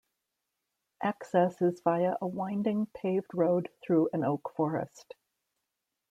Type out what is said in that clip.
Access is via a winding paved road through an oak forest.